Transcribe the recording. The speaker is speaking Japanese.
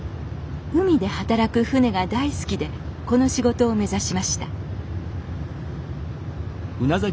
海で働く船が大好きでこの仕事を目指しました